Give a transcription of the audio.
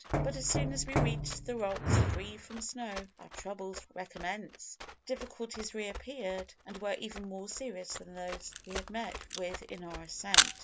"But as soon as we reached the rocks free from snow, our troubles recommenced; difficulties reappeared, and were even more serious than those we had met with in our ascent.